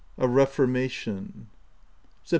A REFORMATION. Sept.